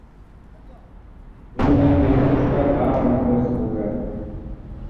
Minden géppuskát három ember szolgált ki.